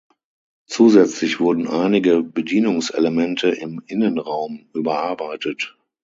Zusätzlich wurden einige Bedienungselemente im Innenraum überarbeitet.